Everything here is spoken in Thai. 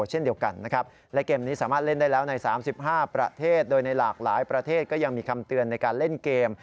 หลากหลายประเทศก็ยังมีคำเตือนในการเล่นเกม